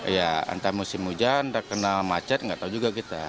ya antara musim hujan udah kena macet nggak tau juga kita